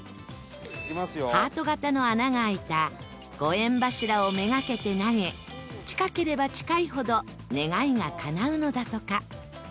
ハート形の穴が開いたご縁柱を目がけて投げ近ければ近いほど願いがかなうのだとか